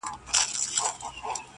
لس کلونه، سل کلونه، ډېر عمرونه٫